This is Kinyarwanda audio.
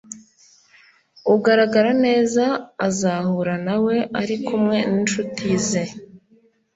ugaragara neza azahura nawe ari kumwe n'inshuti ze